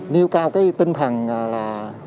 nêu cao tinh thần là